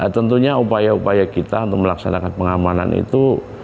tentunya upaya upaya kita untuk melaksanakan pengamanan itu